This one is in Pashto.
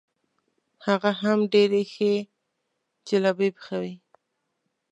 هغه هم ډېرې ښې جلبۍ پخوي.